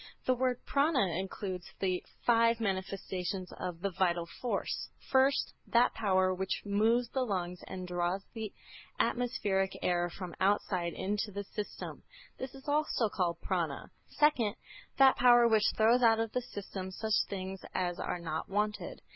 This word Prâna includes the five manifestations of the vital force: First, that power which moves the lungs and draws the atmospheric air from outside into the system. This is also called Prâna. Second, that power which throws out of the system such things as are not wanted.